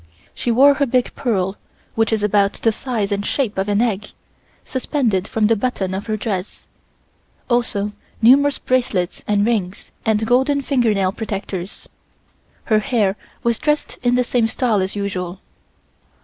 She wore her big pearl, which is about the size and shape of an egg, suspended from the button of her dress, also numerous bracelets and rings and gold finger nail protectors. Her hair was dressed in the same style as usual.